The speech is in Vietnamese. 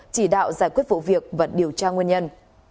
chỉ đạo giải quyết vụ việc và điều tra nguyên nhân